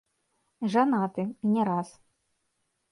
Жанаты, і не раз.